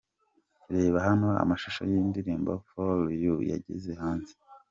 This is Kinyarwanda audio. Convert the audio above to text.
Reba hano amashusho y'indirimbo Follow you yageze hanze.